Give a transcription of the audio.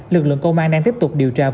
lực lượng công an đang tiếp tục điều tra vụ